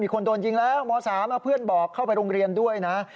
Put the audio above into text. คนโดนยิงแล้วม๓เพื่อนบอกเข้าไปโรงเรียนด้วยนะ